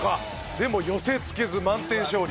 でも寄せつけず満点勝利。